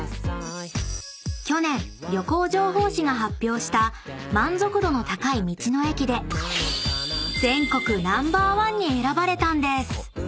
［去年旅行情報誌が発表した満足度の高い道の駅で全国Ｎｏ．１に選ばれたんです］